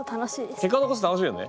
結果を残すと楽しいよね。